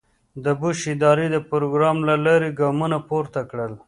د بوش ادارې د پروګرام له لارې ګامونه پورته کړل.